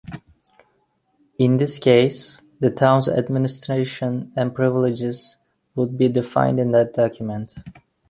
In this case, the town's administration and privileges would be defined in that document.